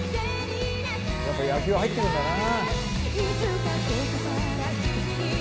やっぱ野球入ってくるんだな。